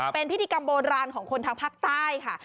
เป็นพิธีกรรมโบราณของคนทางภาคใต้ค่ะ